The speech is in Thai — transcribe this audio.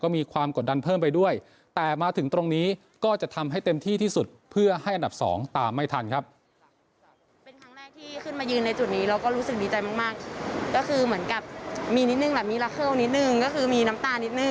มีราเคิลนิดนึงก็คือมีน้ำตาลนิดนึงอะไรอย่างนี้ค่ะดีใจค่ะ